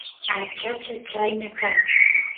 achacha chayna kan